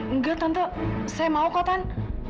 enggak tante saya mau kok tante